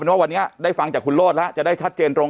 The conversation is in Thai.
เป็นว่าวันเนี้ยได้ฟังจากคุณโรดล่ะจะได้ชัดเจนตรง